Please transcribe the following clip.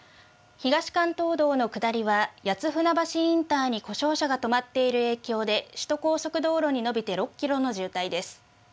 東関東道の下りは谷津船橋インターに故障車が止まっている影響で、首都高速道路にのびて６キロの渋滞です。